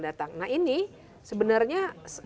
datang nah ini sebenarnya